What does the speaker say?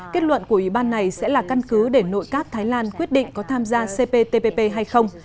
kết luận của ủy ban này sẽ là căn cứ để nội các thái lan quyết định có tham gia cptpp hay không